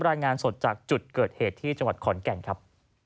รายงานสดจากจุดเกิดเหตุที่จังหวัดขอนแก่นครับ